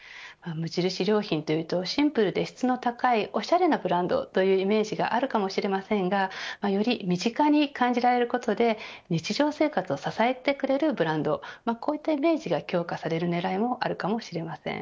無印良品というとシンプルで質の高いおしゃれなブランドというイメージがあるかもしれませんがより身近に感じられることで日常生活を支えてくれるブランドこういったイメージが強化される狙いもあるかもしれません。